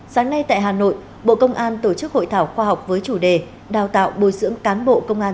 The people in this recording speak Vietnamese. sáng nay tại hà nội bộ công an tổ chức hội thảo khoa học với chủ đề đào tạo bồi dưỡng cán bộ công an